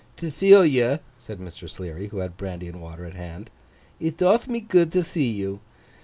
'Thethilia,' said Mr. Sleary, who had brandy and water at hand, 'it doth me good to thee you.